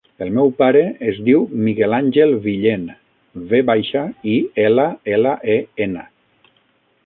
El meu pare es diu Miguel àngel Villen: ve baixa, i, ela, ela, e, ena.